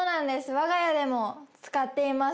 我が家でも使っています